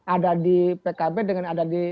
ada di pkb dengan ada di